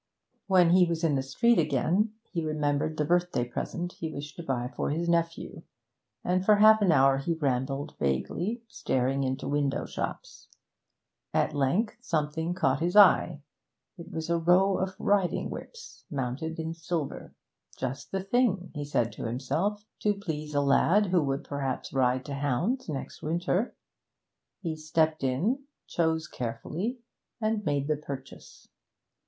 When he was in the street again, he remembered the birthday present he wished to buy for his nephew, and for half an hour he rambled vaguely, staring into shop windows. At length something caught his eye; it was a row of riding whips, mounted in silver; just the thing, he said to himself, to please a lad who would perhaps ride to hounds next winter. He stepped in, chose carefully, and made the purchase.